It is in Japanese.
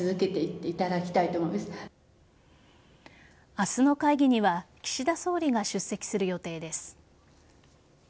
明日の会議には岸田総理が出席する予定です。